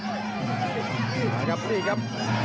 นี่ครับนี่ครับ